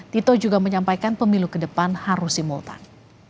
tito juga menyampaikan pemilu ke depan harus simultan